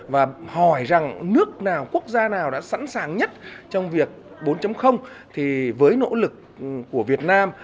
và hỏi rằng nước nào quốc gia nào đã sẵn sàng nhất trong việc bốn thì với nỗ lực của việt nam